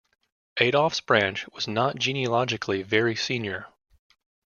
Adolph's branch was not genealogically very senior.